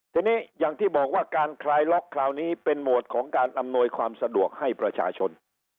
ทีนี้อย่างที่บอกว่าการคลายล็อกคราวนี้เป็นหมวดของการอำนวยความสะดวกให้ประชาชน